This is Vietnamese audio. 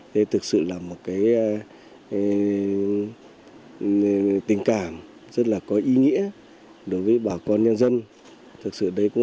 đây thực sự là một cái tình cảm rất là có ý nghĩa đối với bà con nhân dân